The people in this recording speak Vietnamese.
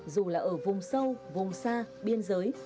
dù là ở vùng sâu vùng xa biên giới